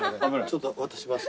ちょっと渡します。